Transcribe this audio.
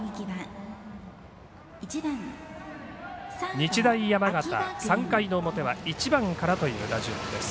日大山形、３回の表は１番からという打順です。